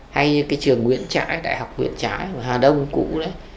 hay như cái trường nguyễn trãi đại học nguyễn trãi hà đông cũ đấy